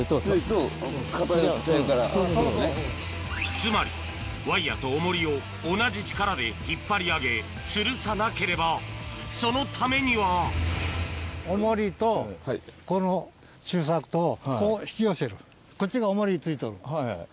つまりワイヤとオモリを同じ力で引っ張り上げつるさなければそのためにはこっちがオモリ付いとる。